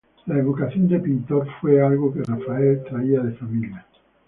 La vocación de pintor fue algo que Rafael traía de familia.